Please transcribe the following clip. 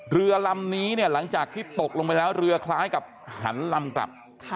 เรือลำนี้เนี่ยหลังจากที่ตกลงไปแล้วเรือคล้ายกับหันลำกลับ